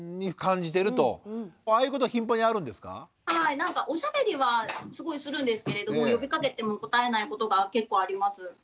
なんかおしゃべりはすごいするんですけれども呼びかけても答えないことが結構あります。